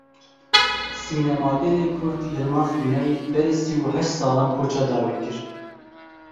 Sînemagerê Kurd Yilmaz Guney berî sî û heşt salan koça dawî kir.